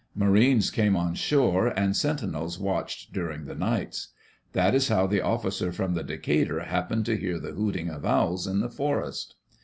Marines came on shore and sentinels watched during the nights. That is how the officer from the Decatur happened to hear the hooting of owls in the forest.